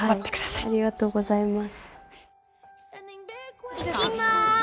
ありがとうございます。